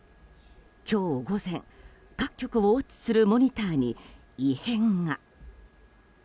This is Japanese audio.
今日午前、各局をウォッチするモニターに異変が。